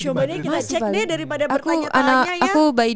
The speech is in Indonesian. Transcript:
cuman kita cek deh daripada bertanya tanya ya